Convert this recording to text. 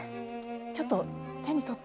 ちょっと手に取って。